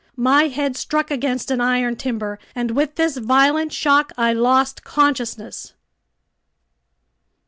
My head struck against an iron timber, and with this violent shock I lost consciousness.